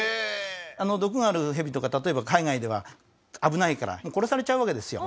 毒があるヘビとか例えば海外では危ないからもう殺されちゃうわけですよ。